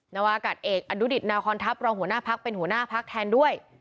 นาวากาศเอกอนุดิตนาคอนทัพรองหัวหน้าพักเป็นหัวหน้าพักแทนด้วย